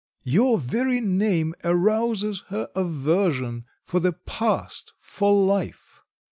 Your very name arouses her aversion for the past, for life."